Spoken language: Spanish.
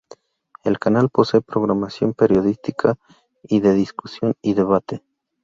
El canal posee programación periodística, y de discusión y debate.